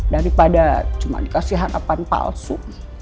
daripada cuma dikasih harapan palsu